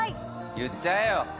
言っちゃえよ。